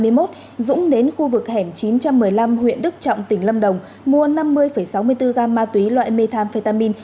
ngày chín tháng bốn năm hai nghìn hai mươi một dũng đến khu vực hẻm chín trăm một mươi năm huyện đức trọng tỉnh lâm đồng mua năm mươi sáu mươi bốn gam ma túy loại methamphetamine